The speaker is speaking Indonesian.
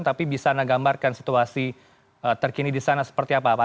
tapi bisa anda gambarkan situasi terkini di sana seperti apa pak